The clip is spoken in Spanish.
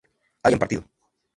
hayan partido